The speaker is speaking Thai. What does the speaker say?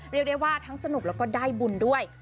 เรียกได้ว่าทั้งสนุกแล้วก็ได้บุญด้วย